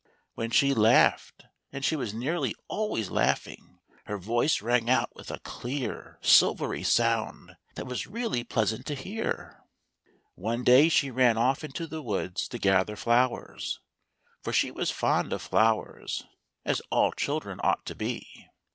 When she laughed (and she was nearly always laughing), her voice rang out with a clear silvery sound that was really pleasant to hear. One day she ran off into the woods to gather flowers — for she was fond of flowers, as all children ought to be.